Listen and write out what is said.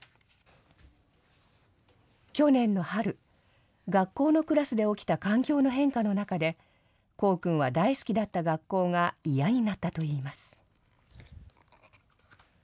去年の春、学校のクラスで起きた環境の変化の中で、功君は大好きだった学校が嫌になったといいます。